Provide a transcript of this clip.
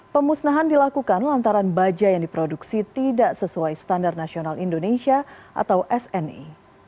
pemusnahan dilakukan lantaran baja yang diproduksi tidak sesuai standar nasional indonesia atau sni